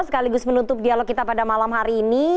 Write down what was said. sekaligus menutup dialog kita pada malam hari ini